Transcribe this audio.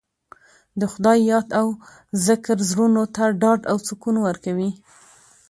د خدای یاد او ذکر زړونو ته ډاډ او سکون ورکوي.